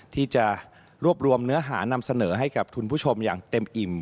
ที่จะรวบรวมเนื้อหานำเสนอให้กับคุณผู้ชมอย่างเต็มอิ่ม